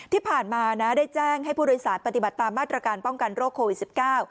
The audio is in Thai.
ที่ผ่านมานะได้แจ้งให้ผู้โดยสารปฏิบัติตามมาตรการป้องกันโรคโควิดสิบเก้า